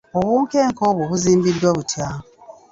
Obunkenke obwo buzimbiddwa butya?